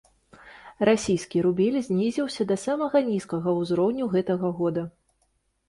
Расійскі рубель знізіўся да самага нізкага ўзроўню гэтага года.